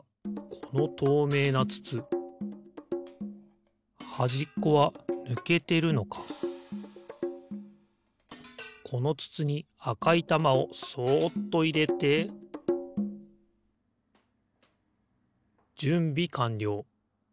このとうめいなつつはじっこはぬけてるのかこのつつにあかいたまをそっといれてじゅんびかんりょう。